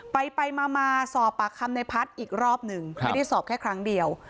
ไปไปมามาสอบปากคำในพัฒน์อีกรอบหนึ่งไม่ได้สอบแค่ครั้งเดียว